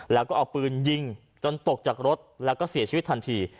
แล้วก็เอาปืนยิงจนตกจากรถแล้วก็เสียชีวิตทันที